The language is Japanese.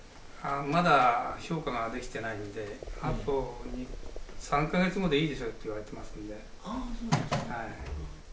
まだ評価ができてないんであと３か月後でいいでしょうって言われてますので。